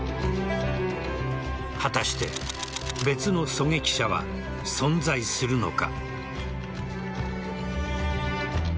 果たして別の狙撃者は存在するのか。